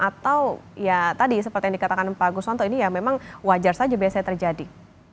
atau ya tadi seperti yang dikatakan pak guswanto ini ya memang wajar saja biasanya terjadi